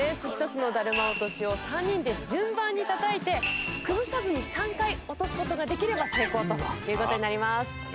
１つのだるま落としを３人で順番に叩いて崩さずに３回落とす事ができれば成功という事になります。